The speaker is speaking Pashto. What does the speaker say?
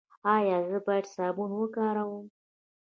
ایا زه باید صابون وکاروم؟